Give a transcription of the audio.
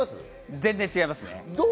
全然違います。